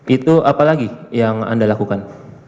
itu apa lagi yang anda lakukan